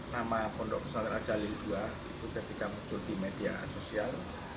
nama pondok pesantren al jalil ii itu ketika muncul di media sosial